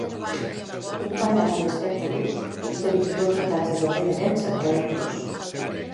un pallasso d'aspecte brut sostenint dos retalls de paper de nens amb cabell ros